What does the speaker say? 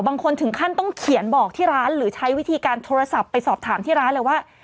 บางคนถึงขั้นต้องเขียนบอกที่ร้านหรือใช้วิธีการโทรศัพท์ไปสอบถามที่ร้านเลยว่า